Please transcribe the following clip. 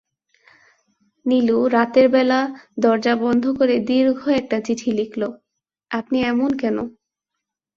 নীলু রাতের বেলা দরজা বন্ধ করে দীর্ঘ একটা চিঠি লিখল-আপনি এমন কেন?